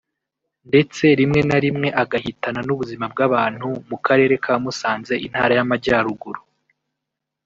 ndetse rimwe na rimwe agahitana n’ubuzima bw’abantu mu karere ka Musanze intara y’amajyaruguru